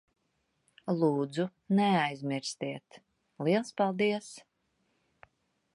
Lūdzu, neaizmirstiet. Liels paldies.